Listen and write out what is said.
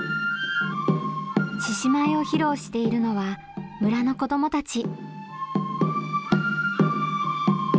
獅子舞を披露しているのは村の子どもたち。